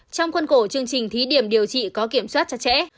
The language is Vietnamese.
trong quân cổ chương trình thí điểm điều trị có kiểm soát chặt chẽ